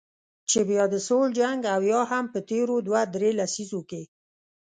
چې بیا د سوړ جنګ او یا هم په تیرو دوه درې لسیزو کې